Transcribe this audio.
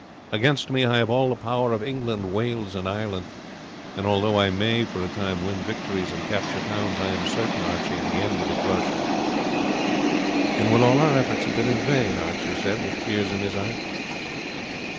Against me I have all the power of England, Wales, and Ireland; and although I may for a time win victories and capture towns I am certain, Archie, in the end to be crushed." "And will all our efforts have been in vain?" Archie said, with tears in his eyes.